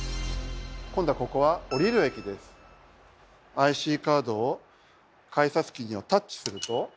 ＩＣカードを改札機にタッチすると。